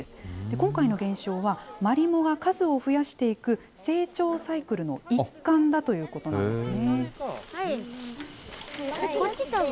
今回の現象は、マリモが数を増やしていく成長サイクルの一環だということなんですね。